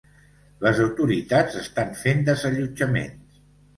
Les autoritats estan fent desallotjaments.